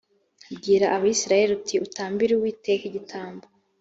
bwira abisirayeli uti utambire uwiteka igitambo